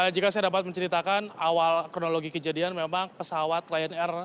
jika saya dapat menceritakan awal kronologi kejadian memang pesawat lion air